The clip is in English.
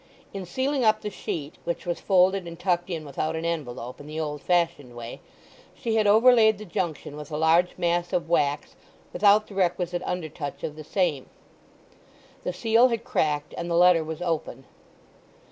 In sealing up the sheet, which was folded and tucked in without an envelope, in the old fashioned way, she had overlaid the junction with a large mass of wax without the requisite under touch of the same. The seal had cracked, and the letter was open.